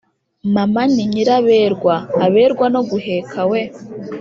mama ni nyiraberwa aberwa no guheka weee